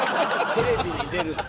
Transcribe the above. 「テレビに出るな」？